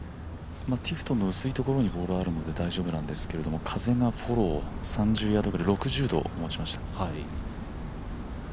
ティフトンの薄いところにボールがあるので大丈夫だと思うんですけど風がフォロー、３０ヤード、６０度を持ちました。